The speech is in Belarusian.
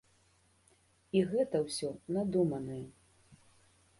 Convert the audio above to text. І гэта ўсё надуманае.